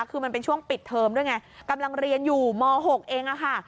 คือมันเป็นช่วงปิดเทอมด้วยไงกำลังเรียนอยู่ม๖เองอะค่ะ